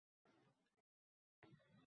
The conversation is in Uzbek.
Izidan yogʻiylar yelardi otda